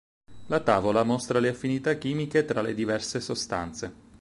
La tavola mostra le affinità chimiche tra le diverse sostanze.